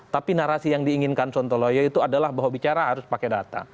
tapi narasi yang diinginkan sontoloyo itu adalah bahwa bicara harus pakai data